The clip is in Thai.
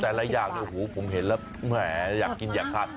หลายอย่างผมเห็นแล้วแหมอยากกินอยากทาน